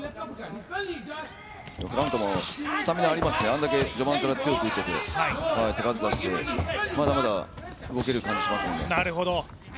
フランコもスタミナありますね、序盤からああやって手数出してまだまだ動ける感じしますね。